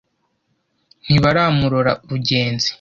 ntibaramurora rugenzi.